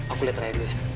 aku lihat raya dulu ya